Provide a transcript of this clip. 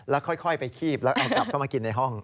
แล้วค่อยไปคีบแล้วเอากลับเข้ามากินในห้อง